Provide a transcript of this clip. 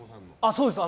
そうです。